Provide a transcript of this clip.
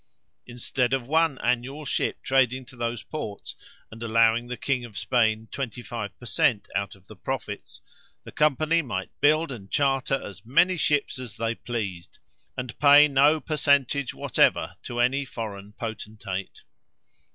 Instead of one annual ship trading to those ports, and allowing the king of Spain twenty five per cent out of the profits, the company might build and charter as many ships as they pleased, and pay no per centage whatever to any foreign potentate.